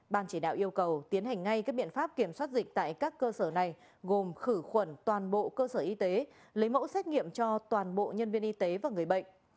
ban chỉ đạo yêu cầu tiến hành ngay các biện pháp kiểm soát dịch tại các cơ sở này gồm khử khuẩn toàn bộ cơ sở y tế lấy mẫu xét nghiệm cho toàn bộ nhân viên y tế và người bệnh